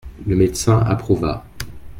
Le médecin approuva.